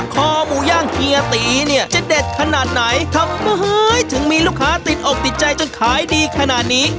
คอหมูย่างเฮียตีเนี่ยจะเด็ดขนาดไหนทำไมถึงมีลูกค้าติดอกติดใจจนขายดีขนาดนี้